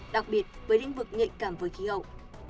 đặc biệt với lĩnh vực nhạy cảm với khí hậu